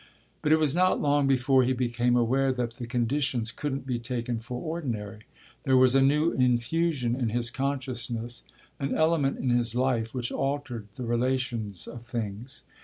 But it was not long before he became aware that the conditions couldn't be taken for ordinary. There was a new infusion in his consciousness an element in his life which altered the relations of things.